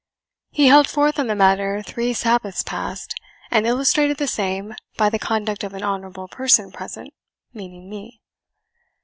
He held forth on the matter three Sabbaths past, and illustrated the same by the conduct of an honourable person present, meaning me."